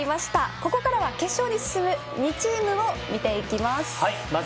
ここからは決勝に進む２チームを見ていきます。